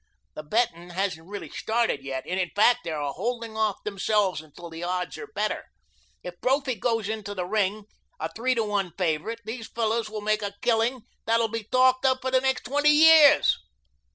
"The bettin' hasn't really started yet; in fact, they are holding off themselves until the odds are better. If Brophy goes into the ring a three to one favorite these fellows will make a killing that will be talked of for the next twenty years."